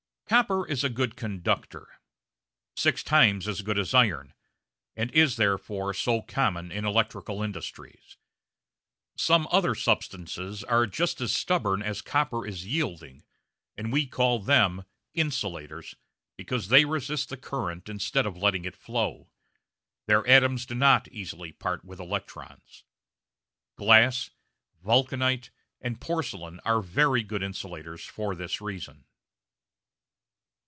Copper is a good conductor six times as good as iron and is therefore so common in electrical industries. Some other substances are just as stubborn as copper is yielding, and we call them "insulators," because they resist the current instead of letting it flow. Their atoms do not easily part with electrons. Glass, vulcanite, and porcelain are very good insulators for this reason.